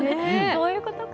そういうことか。